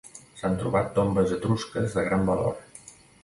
S'han trobat tombes etrusques de gran valor.